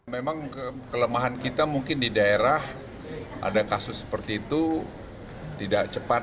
memang kelemahan kita mungkin di daerah ada kasus seperti itu tidak cepat